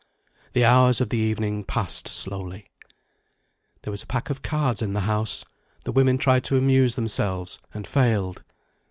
The hours of the evening passed slowly. There was a pack of cards in the house; the women tried to amuse themselves, and failed.